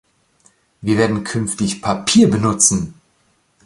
Wir werden künftig Papier benutzen!